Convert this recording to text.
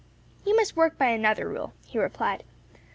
"You must work by another rule," he replied.